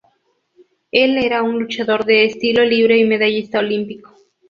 Él era un luchador de estilo libre y medallista olímpico.